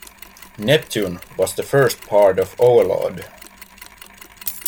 "Neptune" was the first part of "Overlord".